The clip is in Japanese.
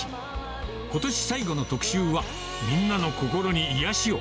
ことし最後の特集は、みんなの心に癒やしを！